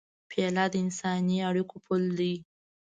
پیاله د انساني اړیکو پُل ده.